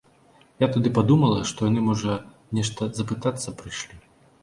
Я тады падумала, што яны, можа, нешта запытацца прыйшлі.